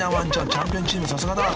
チャンピオンチームさすがだ］